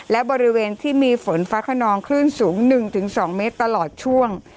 และบริเวณที่มีฝนฟ้าขนองคลื่นสูง๑๒เมตรตลอดช่วง